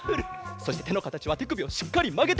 そしててのかたちはてくびをしっかりまげて！